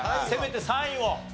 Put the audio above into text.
せめて３位を。